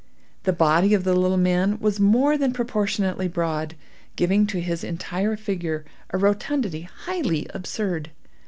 The body of the little man was more than proportionately broad, giving to his entire figure a rotundity highly absurd.